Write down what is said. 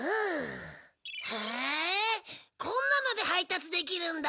へえこんなので配達できるんだ。